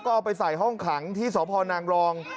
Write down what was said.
ก็เอาไปใส่ห้องขังที่สพนางรอง